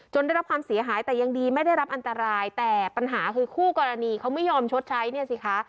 ได้รับความเสียหายแต่ยังดีไม่ได้รับอันตรายแต่ปัญหาคือคู่กรณีเขาไม่ยอมชดใช้เนี่ยสิคะ